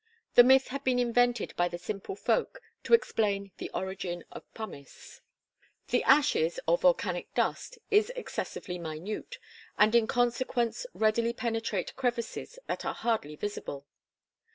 The myth had been invented by the simple folk to explain the origin of pumice. The ashes, or volcanic dust, is excessively minute, and in consequence readily penetrate crevices that are hardly visible.